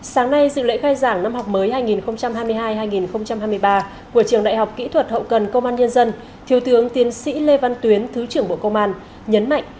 sáng nay dự lễ khai giảng năm học mới hai nghìn hai mươi hai hai nghìn hai mươi ba của trường đại học kỹ thuật hậu cần công an nhân dân thiếu tướng tiến sĩ lê văn tuyến thứ trưởng bộ công an nhấn mạnh